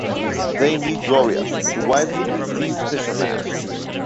They meet Gloria, the wife of the deceased fisherman.